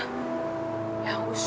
berdoa yang bagus ya